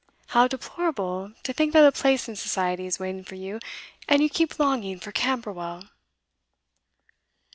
How deplorable to think that a place in society is waiting for you, and you keep longing for Camberwell!